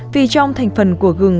vì trong thành phần của gừng